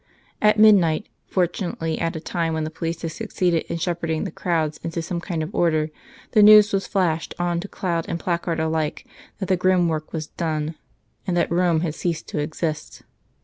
At midnight, fortunately at a time when the police had succeeded in shepherding the crowds into some kind of order, the news was flashed on to cloud and placard alike that the grim work was done, and that Rome had ceased to exist.